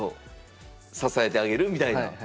支えてあげるみたいな。